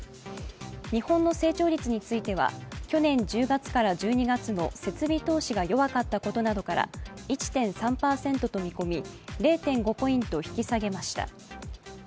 日本の成長率については去年１０月から１２月の設備投資が弱かったことなどから１．３％と見込み、０．５ポイント引き下げました。